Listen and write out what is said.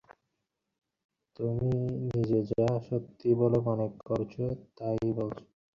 তুমি নিজে যা সত্যি বলে মনে করছ, তা-ই বলছ।